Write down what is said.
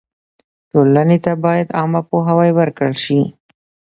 ټولنې ته باید عامه پوهاوی ورکړل سي.